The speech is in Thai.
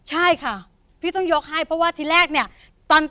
ใช่ค่ะพี่ต้องยกให้เพราะว่าที่แรกเนี่ย